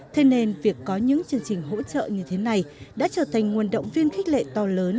thế nên việc có những chương trình hỗ trợ như thế này đã trở thành nguồn động viên khích lệ to lớn